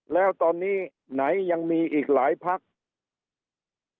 แล้วตอนนี้ไหนยังมีอีกหลายพัก